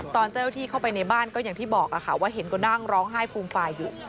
ตอนเจ้าหน้าที่เข้าไปในบ้านก็อย่างที่บอกค่ะว่าเห็นก็นั่งร้องไห้ฟูมฟายอยู่